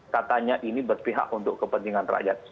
katanya ini berpihak untuk kepentingan rakyat